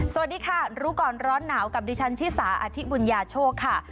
สวัสดีค่ะรู้ก่อนร้อนหนาวกับดิฉันชิสาอธิบุญญาโชคค่ะ